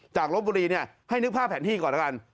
ลบบุรีให้นึกภาพแผนที่ก่อนแล้วกัน